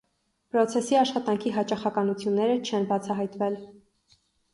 Պրոցեսորի աշխատանքի հաճախականությունները չեն բացահայտվել։